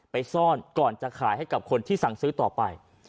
ไปซ่อนก่อนจะขายให้กับคนที่สั่งซื้อต่อไป